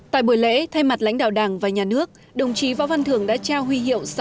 tại buổi lễ thay mặt lãnh đạo đảng và nhà nước đồng chí võ văn thường đã trao huy hiệu